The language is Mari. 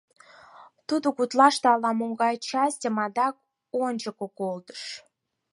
Тудо гутлаште ала-могай частьым адак ончыко колтышт.